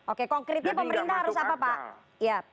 oke konkretnya pemerintah harus apa pak